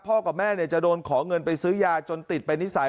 กับแม่จะโดนขอเงินไปซื้อยาจนติดไปนิสัย